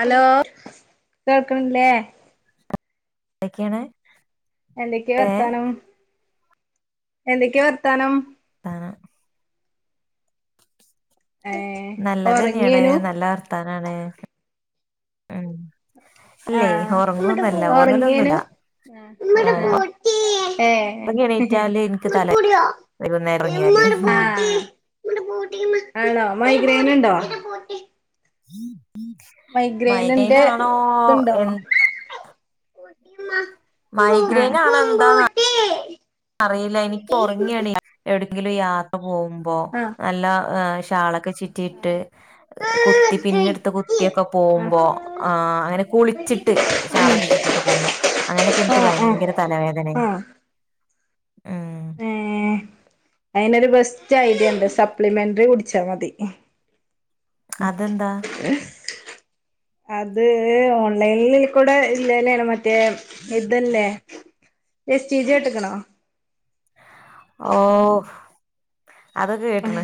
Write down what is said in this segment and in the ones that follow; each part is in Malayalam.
ഹലോ കേൾക്ക്ണില്ലേ എന്തൊക്കെയാണ് എന്തൊക്കെ ഏ വർത്താനം എന്തൊക്കെ വർത്താനം അ ഏ നല്ലതന്നെയാണ് ഉറങ്ങേനു നല്ല വർത്താനാണ് ആ ഉറങ്ങലൊന്നുല്ല ആഹ് ആ ഉറങ്ങി എണീറ്റാല് എനിക്ക് തല വൈകുന്നേരം ഉറങ്ങിയാല് ഉറങ്ങിയോമ്മട ആണോ മൈഗ്രേൻ ഉണ്ടോ ഹം മൈഗ്രെയിനിന്റെ മൈഗ്രെനാണോ ഇതുണ്ടോ എ [inaudible] മൈഗ്രെയിന ആണ എന്താ അറിയില്ല എനിക്ക് ഉറങ്ങിയണേ എവിടെങ്കിലും യാത്ര പോകുമ്പോ ആ ആ നല്ല ചാ ളക്ക ചിറ്റിയിട്ട് കുത്തി പിന്നെടുത്ത് കുത്തിയൊക്കെ പോകുമ്പോ ആ അങ്ങനെ കുളിച്ചിട്ട് ചഷാളൊക്കെ ചിറ്റിയിട്ട് പോകുമ്പോ അങ്ങനെയൊക്കെ ആ എനിക്ക് ആ ഭയങ്കര തലവേദനയായി ആ ആ ആം അയിന്ൊരു ബെസ്റ്റ് ഐഡിയ ഉണ്ട് സപ്ലിമെന്ററി കുടിച്ചാ മതി അതെന്താ ഏ അത് ഓൺലൈനിൽ കൂടെ ഇല്ലല്ലാണ് മറ്റേ ഇതല്ലേഎസ് റ്റി ജി ഓ അതൊക്കെ കേട്ടണ്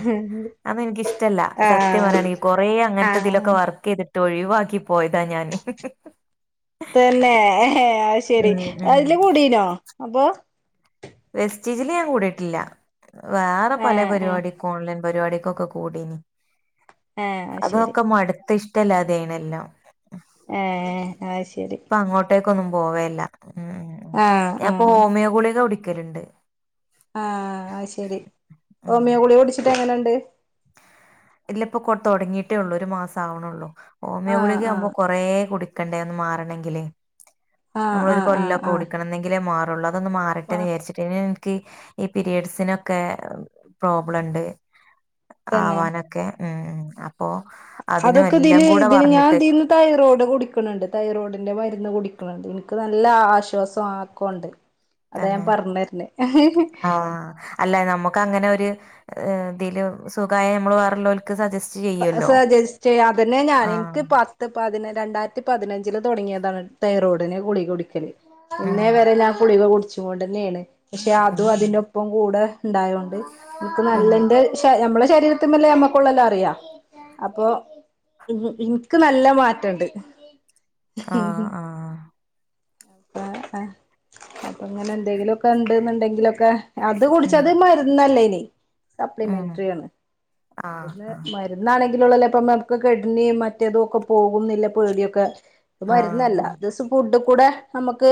അന്ന് എനക്ക് ഇഷ്ടല്ല സത്യം ആഹ് പറയാണെങ്കഈ കൊറേ അങ്ങനത്തെ ഇതിലൊക്കെ ആഹ് വർക്ക് ചെയ്തിട്ട് തൊഴിവാക്കി തന്നെ ശെരി ഉം ഉം അതില് കൂടീനോ അബ വെസ്റ്റീജില് ഞാൻ കൂടിയിട്ടില്ല വേറെ പല ആഹ് ആഹ് പരിപാടി കോൺല പരിപാടിക്കൊക്കെ കൂടീന് ആഹ് അത് ശരി അതൊക്കെ മടത്ത് ഇഷ ഇല്ലാതെയണെല്ലാം ആ ആ ശരി ഒന്നും പോവല്ല ഉം ആഹ് ഞാൻ ഇപ്പൊ ഹോമിയോ ഗുളിയക്കെ വിടിക്ക ക്കരുണ്ട് ആഹ അത് ശരി ഉം ഓമിയോ ഗളി ഓടിച്ചിട്ട് അങ്ങനെ ണ്ട് ഇല്ല ഇപ്പൊ കൊ തുടങ്ങിയിട്ടേ ഉള്ളൂ ഒരു മാസം ആവണള്ളൂ ഓമിയോ ആഹ് ഗുളക്ക് ആവുമ്പോ ആഹ് കുറേ കുടിക്ക ക്കണ്ടേന്ന് മാറണമെങ്കില് ആഹ് നമ്മളൊരു ആഹ് കൊല്ലൊക്കെ ആഹ് ഓടിക്കണന്നെങ്കിലേ മാ ട്ടുള്ള അതൊന്നന്ന് മാറിട്ടന്നെ ആഹ് വിചാരിച്ചിട്ടി ഈ പീരയഡ്സിനൊക്കെ പ്രോബ്ലം ഇണ്ട് തന്നെ ആവാനൊ അതിനും അതൊക്കെ എല്ലാം ഇതില് കൂടെ ഇതിന് ഞാൻ പറഞ്ഞിട്ട് ഇതിന്ന് തൈറോയ്ഡ് കുടിക്കണിണ്ട് തൈറോയ്ഡിന്റെ മരുന്ന് കുടി ക്കണുണ്ട് എനിക്ക് നല്ല ആശ്വാസം ആക്കോണ്ട്. അതാ ഞാൻ തന്നെ പറഞ്ഞ് വരുന്ന്. മ്മക്ക് അങ്ങനെ ഒരു ഇതില് സുഖായം നമ്മള് വേറേള്ളൊല് സജസ്റ്റ് ചെയ്യും. അതിനെ ഞാൻ ആ എനിക്ക് പത്ത് പതിന രണ്ടായിര ത്തി പതിനഞ്ചില് തുടങ്ങിയതാണ് തയറോഡിനെ ഗുളിക കുടിക്കല്. ഉം പിന്നെ വറെല്ലാ കുളിക കൊടു ചൂടന്നെയാണ്. പക്ഷെ ഉം അതും ഉം അതിന്റൊപ്പം കൂടെ ഉണ്ടായകൊണ്ട് നമുക്ക് ഉം നല്ലന്റെ ശ നമ്മള് ശരീരത്തുമില്ലേ നമ്മക്കുള്ളല്ലം അറിയാം അപ്പൊ [unintelligible] എനിക്ക് നല്ല മാറ്റുണ്ട് ആഹ് ആഹ് [unintelligible] അങ്ങനെ എന്തെങ്കിലുംക്കെ ഉണ്ടെന്നുണ്ടെങ്കിലൊക്കെ അത് ഉം കുടിച്ചത് മരുന്നല്ലേനി [unintelligible] ഉം ആണ് ആ ആ മരുന്ന് എന്നാണെങ്കിലുള്ളല്ലോ ഇപ്പ നമുക്ക് [unintelligible] മറ്റേതും ഒക്കെ പോകുന്നില്ല പേടിയൊക്കെ ആ മരുന്നല്ല [unintelligible] ഫുഡ് കൂടെ നമുക്ക്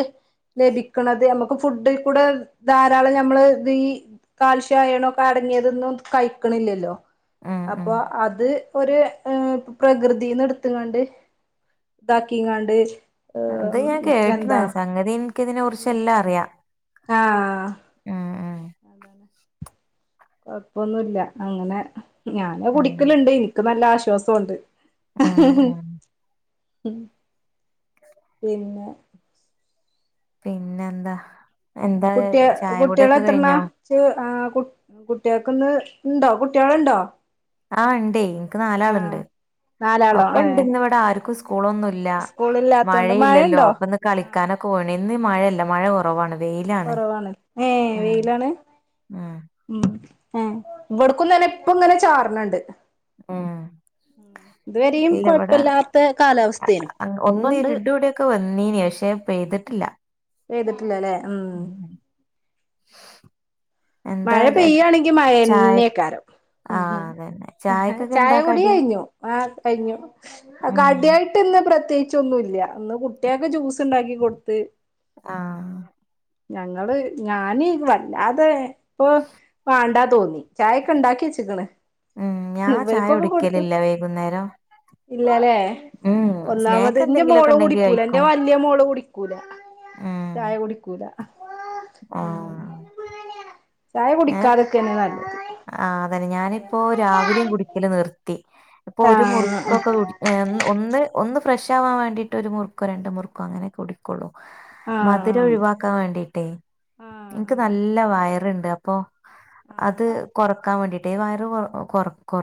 ലഭിക്കാണത് നമുക്ക് ഫുഡികൂടെ ധാരാളം നമ്മള് ഇത് ഈ കാൽഷ്യം അയോൺ അടങ്ങിയതൊന്നും കഴിക്കണില്ലല്ലോ ഉം ഉം അപ്പോ അത് ഒരു പ്രകൃതിന്നടുത്കൊണ്ട് ഇതാക്കിയങ്ങണ്ട് അത് ഞാൻ കേട്ടണ് സംഗതി എനിക്ക് ഇതിനെ കുറിച്ച് ഉം എല്ലാം അറിയാം ആഹ് ആഹ് ആഹ് [inaudible] കൊഴപ്പൊന്നുല്ല അങ്ങനെ ഞാാന് ഉം കുടിക്കലുണ്ട്‌ എനിക്ക് നല്ല ആശ വിശ്വാസുണ്ട് ഉം [unintelligible] ഉം ഉം പിന്നെ പിന്നെ എന്താ കുട്ടിയ ചായ കുട്ടികളെ കുടിയൊക്കെ എത്രണ കഴിഞ്ഞോ ആഹ് കുട്ടിക ക്കന്ന് ഇണ്ടോ കുട്ടികളുണ്ടോ ആഹ് ഇണ്ടേ ഇനിക്ക് ആഹ് നാലാളുണ്ട് നാലാളോ ഒക്കെ ഇണ്ട് ഏഹ് ഇന്ന് ഇവിടെ ആർക്കും സ്കൂളൊന്നുല്ല സ്കൂളില്ലാത്തോണ്ട് മഴയില്ലല്ലോ മഴയുണ്ടോ അപ്പൊ ഇന്ന് ആഹ് കളിക്കാനൊക്കെ പോണന്ന് ഇന്ന് മഴല്ല ല്ല മഴ കുറവാാണ് കുറവാണ് ഏ വെയിലാണ് ഉം ഉ ആ ഇവിടക്കുംന്ന്ഞന്നെ ഇപ്പ ഇങ്ങനെ ചാർണണ്ട് ഉം ഇല്ല ഇവിടെ കൊഴപ്പില്ലാത്ത കാലാവസ്ഥേനു ഒന്ന ഇപ്പണ്ട് ഇരുട കൂടെൊക്കെ വന്നീന പക്ഷെ പെയ്തിട്ടില്ല വഏത് [unintelligible] ല്ലേ ഉം [unintelligible] [inaudible] [unintelligible] എന്താ മഴ ര- ചായ പെയ്യയാണെങ്കിെയക്കാലും ആ അതന്നെ ചായക്കൊക്കെ ചായ എന്താ കൊടി കടി കഴിഞ്ഞു ആ കഴിഞ്ഞു ഉം കടിയായിട്ട്ന്ന് പ്രത്യേകിച്ച് ൊന്നുംല്ല അന്ന് കുട്ടിയൊക്കെ ജ്യൂസ് ഉണ്ടാക്കി കൊടുത്ത് ആ ഞങ്ങള് ഞാന് വല്ലാതെ ഇപ്പൊ വേണ്ടാ തോന്നി ചായയൊക്കെ ഉണ്ടാക്കി വെച്ചക്കണ് ഉം ഞാൻ ചായ ഇവർക്കൊക്കെ കൊടുത്തു കുടിക്കലില്ല വൈകുന്നേരം. ഇല്ലല്ലേ ഉം ഒന്നാമത് സ്നാക്ക് എന്റെ എന്തെങ്കിലുമൊക്കെ മോള് ഉണ്ടെങ്കി കുടിക്കൂല എന്റെ കഴിക്കും. വലയ മോള് കുടിക്കൂല ചായ കുടിക്കൂല ഉം ആഹ ചായ ഏ കുടിക്കാതൊക്കെന്നെ നല്ലത് ആ അതന്നെ ഞാനിപ്പോ രാവിലെയും കുടിക്കല നിർ ഇപ്പൊ ആ ഒരു മുറുക്കൊക്കെടി ഒന്ന് ഒന്ന് ഫ്രഷാവാൻ വേണ്ടിട്ട് ഒരു മുറുക്കോ രണ്ട് മുറുക്കോ അങ്ങനെക്കെ കുടിക്കൊുള്ളൂ ആ മധുരം ഒഴിവാക്കാൻ വേണ്ടിട്ടേ ആ ആ എനിക്ക് ആ നല്ല വായ ഉണ്ട് [unintelligible] പ്പ [unintelligible] ആഹ് അത് കൊറക്കാൻ വേണ്ടിട്ട് വ കൊററ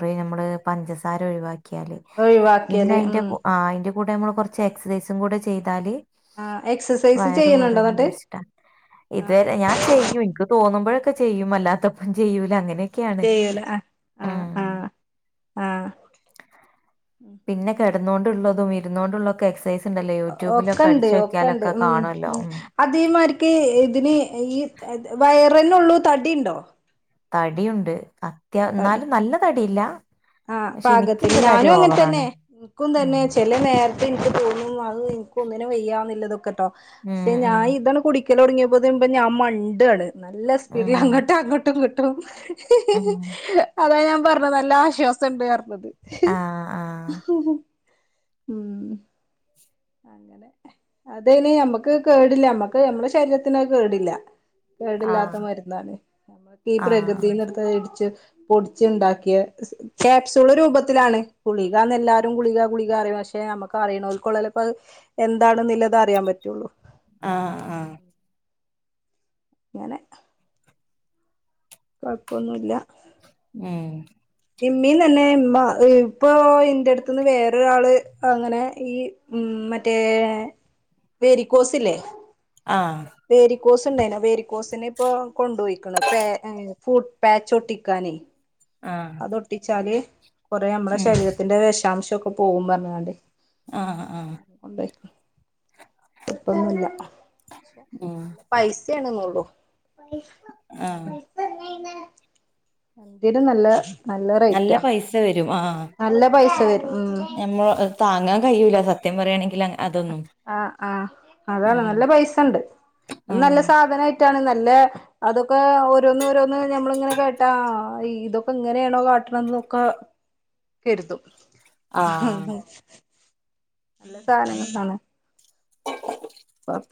[unintelligible] ന പ ഒന്ന ഒഴിവാക്കിയാല് ഉം [unintelligible] കൂടെ നമ്മള് കൊറച്ച് എക്സസൈസും കൂടെ ചെയ്താല് ആഹ് എക്സസൈസ് വയറ് ചെയ്യണുണ്ടോ കൊറീം എന്നിട്ട് വിചാരിച്ചിട്ടാ ഇത് ആഹ് വരെ ഞാൻ ചെയ്യും ഇൻക്ക് തോന്നും പ്പം ചെയ്യും അല്ലാത്തപ്പം ചെയ്യൂല അങ്ങനെ ചെയ്യൂല ആ ആഹ ആഹ ആഹ പിന്നെ കെട് ക്ക്ണോണ്ട്ള്ളതും ഇരുന്നോണ്ടുള്ളൊക്കെ എക്സൈസ് ഒ ഒക്കെണ്ട് ഒക്കണ്ട് കാണുമല്ലോ ഉ ഉം അതേമാര്ക്ക് ഇതിന് ഈ വയ റ്‌നൊള്ളൂ തടിണ്ടോ തടിയുണ്ട് ത്യം എന്നാലും നല്ലതടിയില്ല ആഹ പാകത്തിന് ഞാനും അങ്ങൻതന്നെ എനിക്കും ഉം തന്നെ ചെല നേരത്ത്ൻക്ക് തോന്നും അഅ് ഇൻക്കൊന്നിനും വെയ്യന്നില്ലതൊക്കെട്ടോ പക്ഷെ ഞാൻ ഇതംകുടിക്ക കുടിക്കലൊട്ങ്ങ്യപോത്തിന് ഇപ്പോ ഞാൻ മണ്ട്യാണ്. നല്ല സ്പീഡിൽ അങ്ങട്ടും അങ്ങട്ടും ഇങ്ങട്ടും അതാ ഞാൻ പറഞ്ഞാ നല്ല ആശ്വാസം സംണ്ടാർന്നത്. ഉം അങ്ങനെ അത മ്മക്ക് കേടില്ല നമ്മക്ക് നമ്മളെ ശരീരത്തിനോ കേടില്ല കേടില്ലാത്ത മരുന്നാണ് നമ്മക്ക് ഈ പ്രകൃതീന്നെടുത്ത് ഇടിച്ച് പൊടിച്ചുണ്ടാക്കിയ ക്യാപ്സൂള് രൂപത്തിലാണ് ഗുളികാന്നെല്ലാരും ഗുളിക ഗുളിക അറീയണ പക്ഷെ നമുക്ക് അറിയണോൽക്കൊള്ള അപ്പൊ എന്താണ് നിലതാ അറിയാൻ പറ്റുള്ളൂ ആഹ് ആഹ് അങ്ങനെ കൊഴപ്പൊന്നുല്ല ഉം ഇമ്മീ തന്നെ ഇമ്മ ഇപ്പോ ഇന്റെ അടുത്ത്ന്ന് വേറൊരാള് അങ്ങനെ ഈ ഉം മറ്റേ വേരിക്കോസ് ഇല്ലേ ആഹ് ക്കോസ് ഉണ്ടായിന വേരിക്കോസിനെ ഇപ്പൊ കൊണ്ടുപോയിക്കണ പെ പാച്ചൊട്ടിക്കാനെ അതൊട്ടിച്ചാല് കുറേ നമ്മുടെ ഉം ശരീരത്തിന്റെ വിശാംശം ൊക്കെ പോകും പറഞ്ഞാണ്ട് ആ ആ കൊണ്ടോയി ഇപ്പൊന്നുമല്ല ഉം പൈസ സെ ആണെന്നള്ളൂ ആ ആ എന്തിന് നല്ല നല്ല റേറ്റാ പൈസ വരും ആ നല്ല പൈസ വരും ഉം ഞമ്മൾ താങ്ങാൻ കഴി ല്ല സത്യം പറയാണെങ്കിൽ ആ ആ അതാണ് ഉം നല്ല പൈസണ്ട് അത് ഉം നല്ല സാധാ റ്റാണ് നല്ലേ അതും പ്പെ ഓരോന്ന് ഓരോന്ന് നമ്മളിങ്ങനെ കേട്ടാ ഇതൊക്കെ ഇങ്ങനെയാണോ കാട്ട്ണേന്നൊക്കെ കെര്തും ആ ഹ് ഹാ നല്ല സാനങ്ങളാണ്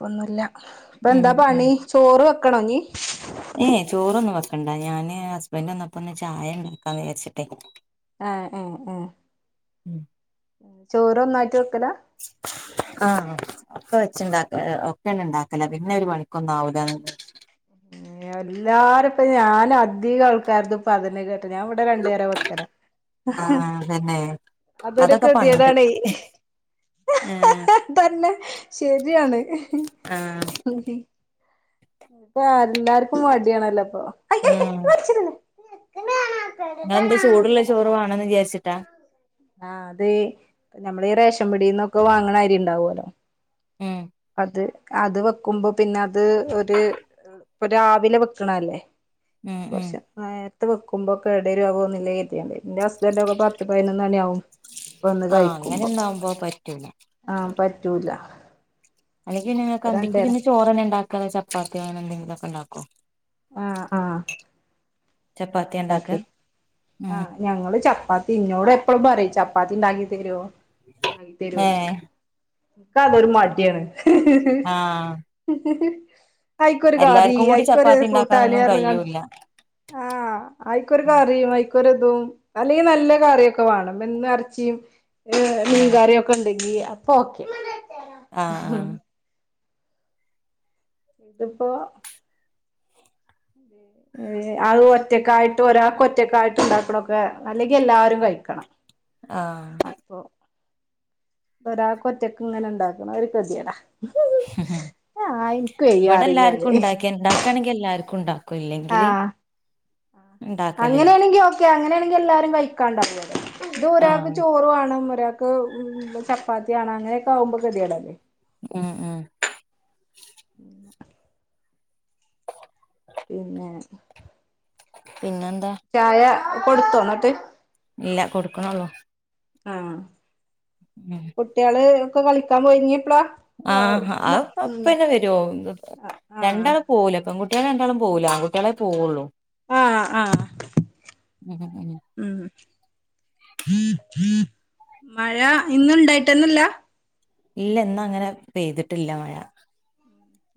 ഒന്നുല്ല ഉം ഇപ്പെന്താ ഉം പണി ചോർ വെക്ക് ക്കണോഞ്ഞ് ഏ യചോറൊന്നും വെക്കണ്ട ഞാന് ഹസ്ബന്റ് വന്നപ്പൊന്ന് ചായ വെക്കാ വിചാരിച്ചിട്ടേനി ആ ഏ ഏ ഉം. ഇതൊക്കലാ ആ ഒക്കെ വെച്ചിണ്ടാക്കലാ ഒക്കെയയണ്ട് ഇണ്ടാക്കലാ പിന്നൊരു മണിക്കൊന്നാവൂലാന്ന് എല്ലാരുപ്പം ഞാനധിക ആൾക്കാർതുപ്പം അതിന്നെ കേട്ട്നെ ഞാൻ ഇവിടെ രണ്ടുനേരാ വെക്കല് അ ഹ് ആഹ് അതന്നെ അതൊര് അതൊക്കെ പണ്ട് കെദ്യേടാണേ ആഹ് തന്നെ ശരിയാണ് [inaudible] ആഹ് പ്പെ എല്ലാർക്കും മടിയാണല്ലോ ഇപ്പൊ ഉം നിങ്ങളെന്ത് ചൂടുള്ള ചോറ് വേണന്ന് വിചാരിച്ചിട്ടാ ആ അത് ഞമ്മ മ്മള് ഈ റേഷം പിടീന്നൊക്കെ വാങ്ങണെ അരിണ്ടാവോലോ ഉം അത് അത് വെക്കുമ്പോ പിന്നെ അത് ഒരു രാവിലെ വെക്ക്ണല്ലേ ഉം ഉം കുറച്ച് നേരത്തെവെക്കും ഉമ്പൊക്കെ എടേലാവോന്നില്യേ കര്ധ്യൊണ്ട് ന്റെ ഹസ്ബ ആന്റ ഒക്കെ പത്ത് പയിനൊന്നണിയാവും ആഹ് അങ്ങനൊന്നാവുമ്പോ പറ്റൂല പറ്റൂലാ അല്ലങ്കിൽപിന്നെ ങ്ങക്ക് അന്തിക്ക് പിന്നെ ചോറെന്നേ ണ്ടാക്ക ക്കെ ചപ്പാത്തിയാണെങ്കിലും എന്തെങ്കിലുമൊക്കെ ഉണ്ടാകും ആ ആ ചപ്പാത്തിയാ ഇണ്ടാക്കാ അങ്ങനെണ്ടാക്കി ആ ഉം ഞങ്ങളും ചപ്പാത്തി ചപ്പാത്തി ഇന്നോട് എപ്പളും പറിം ചപ്പാത്തി ഇണ്ടാക്കി തരോ ക്കി തെരോയ്ച്ചും ഏഹ് ഇക്കതൊരു മടിയാണ് ഹ് ആഹ് ഹ് സ് അയിക്കൊരു കറി എല്ലാർക്കും കൂടി അയിക്കൊരു ചപ്പാത്തി കൂട്ടാന് ഉണ്ടാക്കാനൊന്നും പറിഞ്ഞാണ്ട് കഴിയൂല്ല ആ അയിക്കൊരു കറി അയി ര്തും അല്ലെങ്കിൽ നല്ല കറിയൊക്കെ വേണംപിന്നെ ഇറച്ചി ഏ മീൻ ആഹ് കറിയൊക്കെ ഉണ്ടെങ്കിൽ അപ്പം ഓക്കെ ആ ആ ഇത്പ്പോ അത് ഒറ്റക്കായിട്ട് ഒരാൾക്ക് ഒറ്റക്കായിട്ട് ഇണ്ടാക്ക്‌ണക്കെ അല്ലെങ്കി എല്ലാരും കഴിക്കണം ആ ഒരാക്ക്‌ ഒറ്റക്ങ്ങനെ ഇണ്ടാക്കണം അതൊരു കെതിയെടാ ഉ വയ്യ ഇവിടെ പറയും എല്ലാർക്കും ഉണ്ടാക്കി ഉണ്ടാക്കയാണെങ്കിൽ എല്ലാർക്കും ഉണ്ട ആ ഉണ്ടാക്കലില്ല അങ്ങനെയാണെങ്കിൽ ഓക്കെ അങ്ങനെ എല്ലാരും കൈക്കണ്ടാവോ ഇത് ഒരാൾക്ക് ആഹ് ചോറ് വേണം മറ്റേ ഒരാക്ക് ചപ്പാത്തി ആണ് അങ്ങനെയൊക്കെ ആകുമ്പോ കെതിയെടല്ലേ ഉം ഉം പിന്നെ പിന്നെന്താ ചായ കൊടുത്തോ ന്നിട്ട് ഇല്ലാ കൊടുക്ക്‌ന്നൊള്ളു ഉം കുട്ട്യേള് ഒക്കെ കളിക്കാ പോയി ഇനി എപ്പളാ ആഹ ആ അപ്പന്നെ വരുല്ലോ ആഹ് രണ്ടാള് പോവുല പെൺ കുട്ട്യേള് രണ്ടാളും പോകുല ആൺകുട്ട്യേളെ പോവൊള്ളൂ ആഹ് ആഹ് ഉം ഉം മഴ ഇന്നുണ്ടായിട്ടന്നല്ല ഇല്ല ഇന്ന് അങ്ങനെ പെയ്തിട്ടില്ല മഴ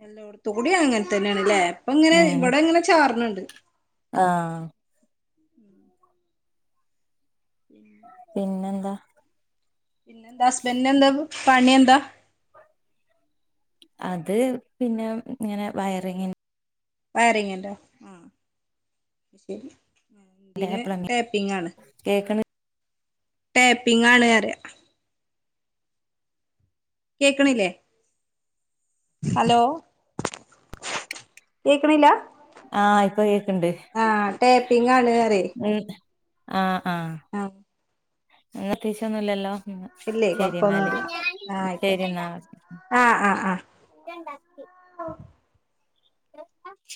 എല്ലോട്ത്തു കൂടി അങ്ങനെ തന്നെയാണ് ഇപ്പങ്ങനെ ഇവിടെ ഇങ്ങനെ ചാർന്നുണ്ട് [unintelligible] ആഹ പിന്നെ അ പിന്നെ എന്താസ്ബൻെ എന്താ പണി എന്താ അത് പിന്നെ ഇങ്ങനെ വയറിങ്ങി വയറ ങ്ങണ്ടോ ആ ശരി എന്തിന് പ്ലംബിങ് ടേപ്പിങ്ണ് കേക്കണ് ടേപ്പിങ് ആണ് അറിയ കേക്കണില്ലേ ഹലോ കേക്കണില്ല ആഹ് ഇപ്പൊ കേക്കണ്ട് ആഹ ടേപ്പിങ് ആണ് അറെ ആ ആഹ അങ്ങന തീച്ചൊന്നുംല്ലല്ലോ ഉ ഇല്ലേ ശരി എന്നാലേ കൊഴപ്പൊന്നുല്ല ആഹ് ശരി ആയിക്കോട്ടെ എന്നാ ആഹ് ആഹ് ആഹ് എ